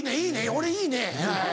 俺いいね。